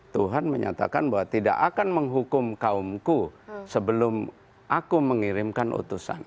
tuhan menyatakan bahwa tidak akan menghukum kaumku sebelum aku mengirimkan utusan